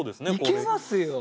いけますよ！